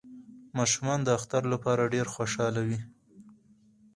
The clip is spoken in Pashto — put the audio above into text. ماشومان د اختر لپاره ډیر خوشحاله وی